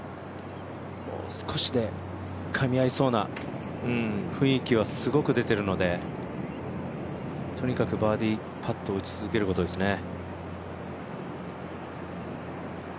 もう少しでかみ合いそうな雰囲気はすごく出てるのでとにかくバーディーパットを打ち続けることですね。